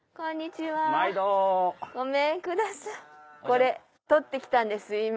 これ採ってきたんです今。